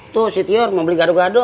tuh si tior mau beli gado gado